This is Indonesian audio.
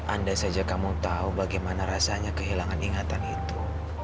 andai saja kamu tahu bagaimana rasanya kehilangan ingatan itu